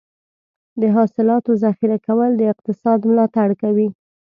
د حاصلاتو ذخیره کول د اقتصاد ملاتړ کوي.